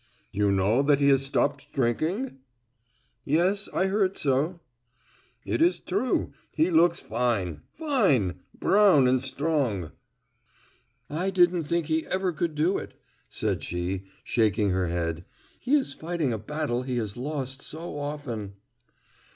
"You know that he has stopped drinking?" "Yes, I heard so." "It is true. He looks fine, fine. Brown and strong." "I didn't think he ever could do it," said she, shaking her head. "He is fighting a battle he has lost so often."